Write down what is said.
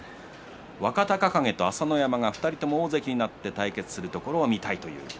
若隆景と朝乃山が２人とも大関になって対決するところを見たいと。